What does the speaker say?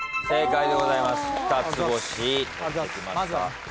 正解でございます。